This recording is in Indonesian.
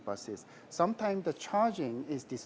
kadang kadang pembawa bus